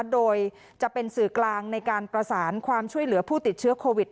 โดยจะเป็นสื่อกลางในการประสานความช่วยเหลือผู้ติดเชื้อโควิด